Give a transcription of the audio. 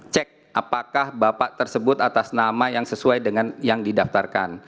cek apakah bapak tersebut atas nama yang sesuai dengan yang didaftarkan